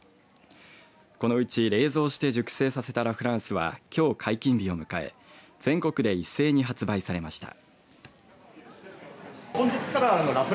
このうち冷蔵して熟成させたラ・フランスはきょう解禁日を迎え全国で一斉に発売されました。